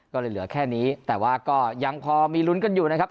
ก็เลยเหลือแค่นี้แต่ว่าก็ยังพอมีลุ้นกันอยู่นะครับ